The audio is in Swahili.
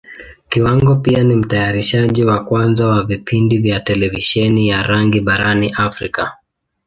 Kiwango pia ni Mtayarishaji wa kwanza wa vipindi vya Televisheni ya rangi barani Africa.